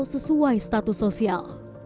tunggu tengk hacerlo tidak